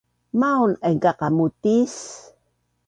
Maun aingka qamutis